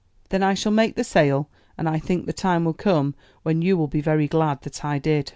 "Then I shall make the sale; and I think the time will come when you will be very glad that I did."